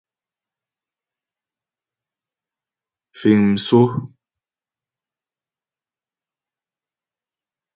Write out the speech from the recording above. Fíŋ msó.